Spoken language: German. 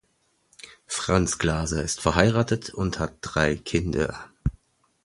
Franz Glaser ist verheiratet und hat drei Kinder.